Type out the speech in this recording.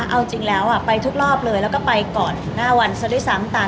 เอาจริงแล้วไปทุกรอบเลยแล้วก็ไปก่อนหน้าวันซะด้วยซ้ำตาม